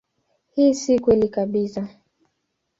Hii si kweli kabisa.